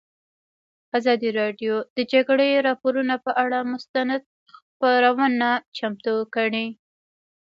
ازادي راډیو د د جګړې راپورونه پر اړه مستند خپرونه چمتو کړې.